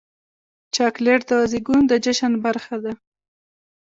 چاکلېټ د زیږون د جشن برخه ده.